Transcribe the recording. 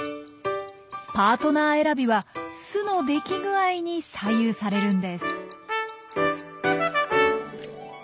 パートナー選びは巣の出来具合に左右されるんです。